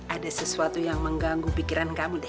ada sesuatu yang mengganggu pikiran kamu deh